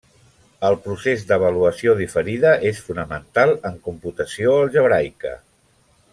El procés d'avaluació diferida és fonamental en computació algebraica.